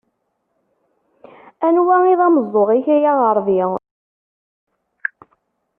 Anwa i d ameẓẓuɣ-ik ay aɣerbi.